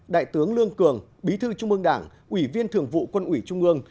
đại tướng lương cường bí thư trung ương đảng ủy viên thường vụ quân ủy trung ương